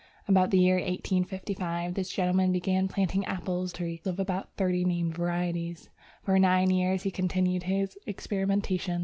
About the year 1855 this gentleman began planting apple trees of about thirty named varieties. For nine years he continued his experiments.